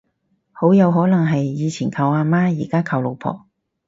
好有可能係以前靠阿媽而家靠老婆